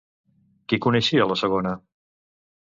Qui coneixia la segona?